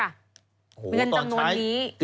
เงินจำนวนนี้